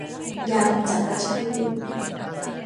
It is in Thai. ยากำจัดวัชพืช